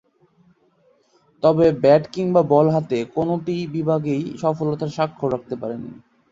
তবে, ব্যাট কিংবা বল হাতে কোনটি বিভাগেই সফলতার স্বাক্ষর রাখতে পারেননি।